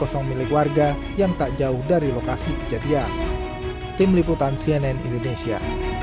kosong milik warga yang tak jauh dari lokasi kejadian tim liputan cnn indonesia